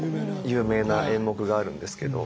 有名な演目があるんですけど。